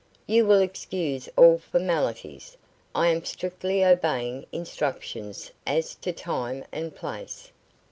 "You will excuse all formalities. I am strictly obeying instructions as to time and place."